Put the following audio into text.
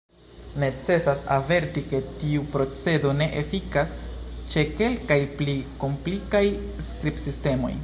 Necesas averti, ke tiu procedo ne efikas ĉe kelkaj pli komplikaj skribsistemoj.